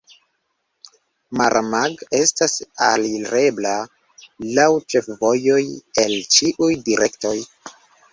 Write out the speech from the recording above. Maramag estas alirebla laŭ ĉefvojoj el ĉiuj direktoj.